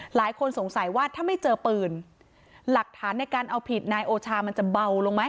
หลายคนสงสัยว่าถ้าไม่เจอปืนหลักฐานในการเอาผิดนายโอชามันจะเบาลงไหม